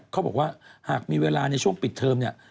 เขาบอกว่าหากมีเวลาในช่วงปิดเทอมเนี่ย